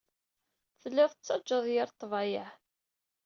Telliḍ tettajjaḍ yir ḍḍbayeɛ.